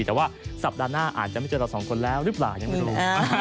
แต่ว่าสัปดาห์หน้าอาจจะไม่เจอเราสองคนแล้วหรือเปล่ายังไม่รู้